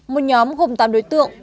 một nhóm gồm tám đối tượng